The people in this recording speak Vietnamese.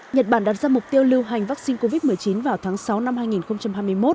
nhật bản đặt ra mục tiêu lưu hành vaccine covid một mươi chín vào tháng sáu năm hai nghìn hai mươi một